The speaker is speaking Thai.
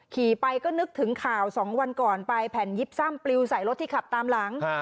ขี่ไปก็นึกถึงข่าว๒วันก่อนไปแผ่นยิบซ่ำปลิวใส่รถที่ขับตามหลัง